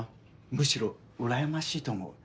むしろうらやましいと思う。